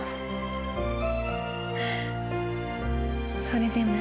［それでも］